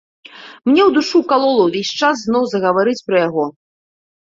Мне ў душу калола ўвесь час зноў загаварыць пра яго.